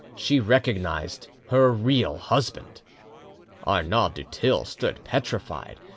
. she recognised her real husband! Arnauld du Thill stood petrified.